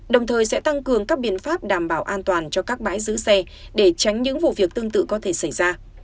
đồng thời sẽ tăng cường các biện pháp đảm bảo an toàn cho các bãi giữ xe để tránh những vụ việc tương tự có thể xảy ra